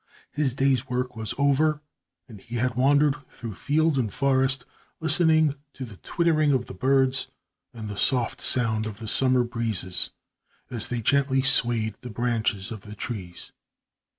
His day's work was over and he had wandered through field and forest listening to the twittering of the birds and the soft sound of the summer breezes as they gently swayed the branches of the trees.